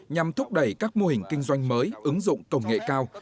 nhằm thúc đẩy các mô hình kinh doanh mới ứng dụng công nghệ cao